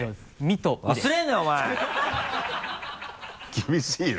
厳しいな。